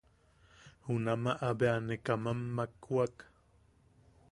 Junamaʼa bea ne kamam makwak.